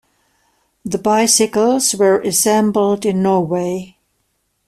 The bicycles were assembled in Norway.